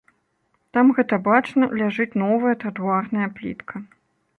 Там гэта бачна, ляжыць новая тратуарная плітка.